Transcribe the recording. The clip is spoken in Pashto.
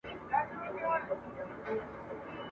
ستا هینداره ونیسم څوک خو به څه نه وايي ..